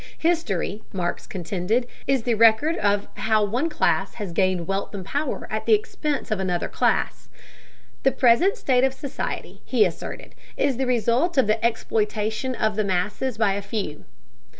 History, Marx contended, is the record of how one class has gained wealth and power at the expense of another class. The present state of society, he asserted, is the result of the exploitation of the masses by a few.